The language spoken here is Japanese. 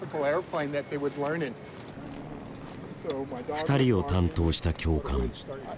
２人を担当した教官。